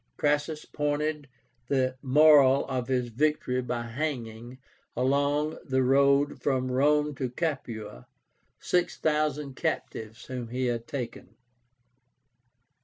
Crassus pointed the moral of his victory by hanging, along the road from Rome to Capua, six thousand captives whom he had taken.